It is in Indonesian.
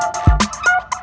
kau mau kemana